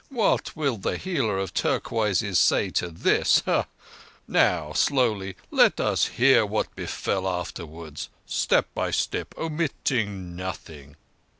What will the healer of turquoises say to this? Now, slowly, let us hear what befell afterwards—step by step, omitting nothing."